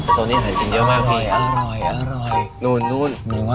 โซนี่หายจิ้นเยอะมากพี่อร่อยนู้นไหนวะ